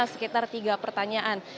sekitar tiga pertanyaan